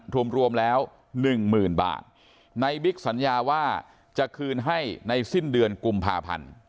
ทุ่มรวมแล้ว๑๐๐๐๐บาทในบิ๊กสัญญาว่าจะคืนให้ในสิ้นเดือนกุมภาพรรณ